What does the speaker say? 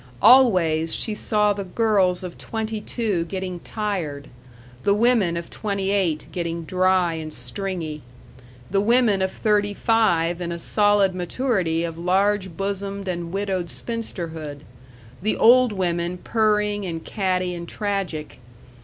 Always she saw the girls of twenty two getting tired, the women of twenty eight getting dry and stringy, the women of thirty five in a solid maturity of large bosomed and widowed spinsterhood, the old women purring and catty and tragic....